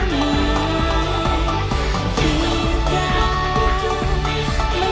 kuatkan semua persahabatan